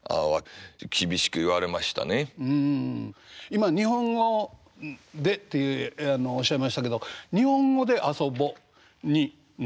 今日本語でっておっしゃいましたけど「にほんごであそぼ」に長い間。